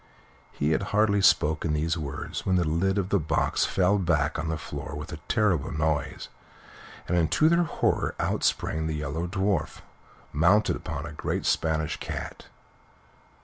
He had hardly spoken these words when the lid of the box fell back on the floor with a terrible noise, and to their horror out sprang the Yellow Dwarf, mounted upon a great Spanish cat.